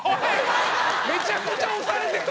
めちゃくちゃ押されてるぞ！